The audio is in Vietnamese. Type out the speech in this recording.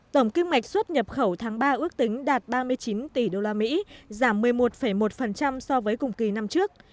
tổng kim ngạch xuất nhập khẩu tháng ba ước tính đạt ba mươi chín tỷ usd giảm một mươi một một so với cùng kỳ năm trước